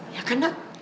ya kan nak